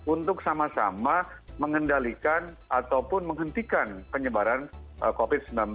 untuk sama sama mengendalikan ataupun menghentikan penyebaran covid sembilan belas